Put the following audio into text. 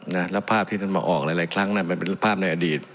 แล้วภาพที่ท่านมาออกหลายหลายครั้งน่ะมันเป็นภาพในอดีต